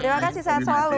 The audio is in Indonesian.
terima kasih sehat selalu